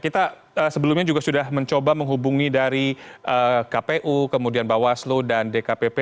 kita sebelumnya juga sudah mencoba menghubungi dari kpu kemudian bawaslu dan dkpp